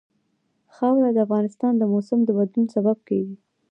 خاوره د افغانستان د موسم د بدلون سبب کېږي.